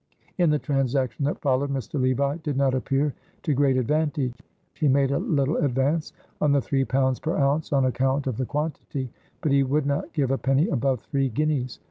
In the transaction that followed Mr. Levi did not appear to great advantage. He made a little advance on the three pounds per ounce on account of the quantity, but he would not give a penny above three guineas.